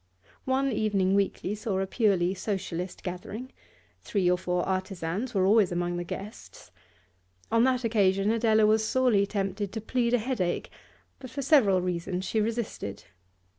One evening weekly saw a purely Socialist gathering; three or four artisans were always among the guests. On that occasion Adela was sorely tempted to plead a headache, but for several reasons she resisted.